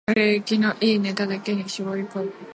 ⅱ メニューを売れ行きの良いネタだけに絞り込む